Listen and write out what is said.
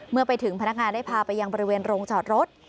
เมื่อไปถึงพนักงานได้พาไปยังบริเวณโรงจอดรถ